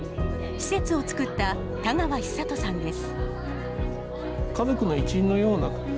施設を造った田川尚登さんです。